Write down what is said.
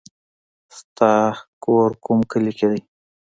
ستا کور کوم کلي کې دی